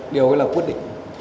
điều ấy là quyết định